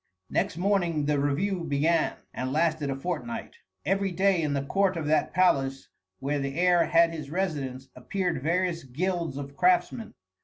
Next morning the review began, and lasted a fortnight. Every day in the court of that palace where the heir had his residence appeared various guilds of craftsmen.